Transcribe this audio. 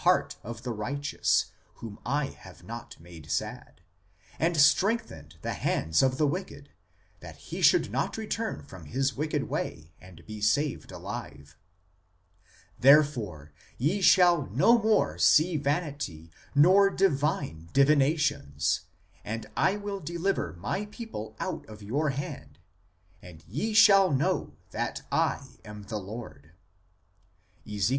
Because with lies ye have grieved the heart of the righteous, whom I have not made sad ; and strengthened the hands of the wicked, that he should not return from his wicked way, and be saved alive ; therefore ye shall no more see vanity, nor divine divinations : and I will deliver My people out of your hand ; and ye shall know that I am the Lord " (Ezek.